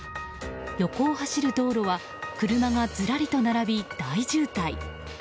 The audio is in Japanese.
横を走る道路は車がずらりと並び大渋滞。